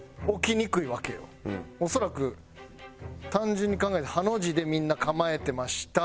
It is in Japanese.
恐らく単純に考えてハの字でみんな構えてました。